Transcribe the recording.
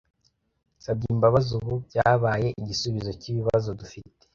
nsabye imbabazi ubu byabaye igisubizo cy’ibibazo dufite